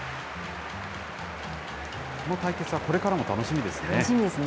この対決はこれからも楽しみですね。